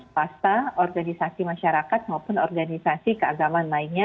pasta organisasi masyarakat maupun organisasi keagamaan lainnya